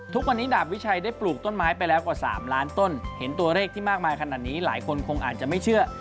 ทุกวันนี้ดาบวิชัยได้ปลูกต้นไม้ไปแล้วกว่า๓ล้านต้นเห็นตัวเลขที่มากมายขนาดนี้หลายคนคงอาจจะไม่เชื่อ